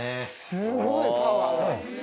すごい、パワーが。